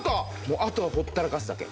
もうあとはほったらかすだけ。